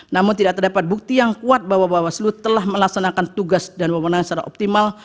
namun tidak terdapat bukti yang kuat bahwa bawaslu telah melaksanakan tugas dan pemenangan secara optimal